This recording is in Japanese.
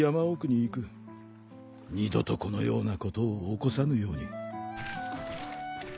二度とこのようなことを起こさぬように。